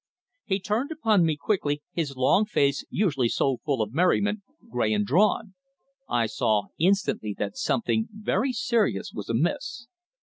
He turned upon me quickly, his long face usually so full of merriment, grey and drawn. I saw instantly that something very serious was amiss.